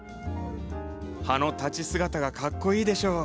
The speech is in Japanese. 葉の立ち姿がかっこいいでしょう？